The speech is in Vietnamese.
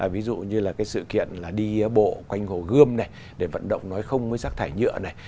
ví dụ như là cái sự kiện là đi bộ quanh hồ gươm này để vận động nói không với rác thải nhựa này